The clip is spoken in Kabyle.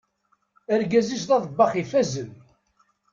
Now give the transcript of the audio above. Argaz-is d aḍebbax ifazen.